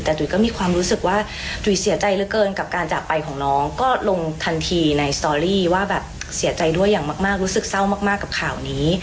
แต่จุ๋ยก็มีความรู้สึกว่าจุ๋ยเสียใจเหลือเกินกับการจากไปของน้องก็ลงทันทีในสตอรี่ว่าแบบเสียใจด้วยอย่างมากรู้สึกเศร้ามากกับข่าวนี้